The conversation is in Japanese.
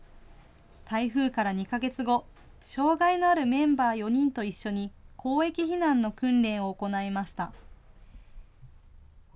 台風から２か月後、障害のあるメンバー４人と一緒に、広域避難の訓練を行いました。